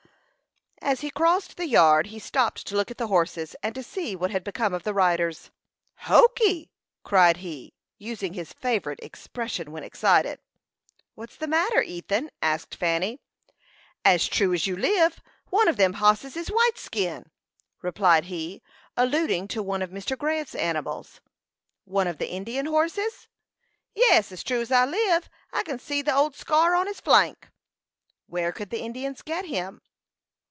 As he crossed the yard he stopped to look at the horses, and to see what had become of the riders. "Hokee!" cried he, using his favorite expression when excited. "What's the matter, Ethan?" asked Fanny. "As true as you live, one of them hosses is 'Whiteskin,'" replied he, alluding to one of Mr. Grant's animals. "One of the Indian horses?" "Yes; as true as you live! I kin see the old scar on his flank." "Where could the Indians get him?"